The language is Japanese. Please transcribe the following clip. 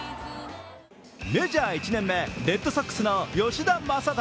メジャー１年目、レッドソックスの吉田正尚